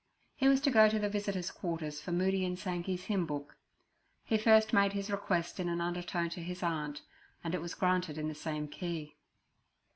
He was to go to the visitors' quarters for Moody and Sankey's hymn book. He first made his request in an undertone to his aunt, and it was granted in the same key.